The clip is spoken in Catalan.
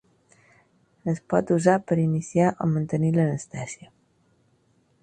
Es pot usar per iniciar o mantenir l'anestèsia.